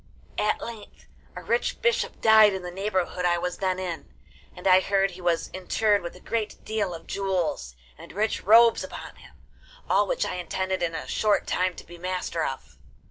At length a rich bishop died in the neighbourhood I was then in, and I heard he was interred with a great deal of jewels and rich robes upon him, all which I intended in a short time to be master of.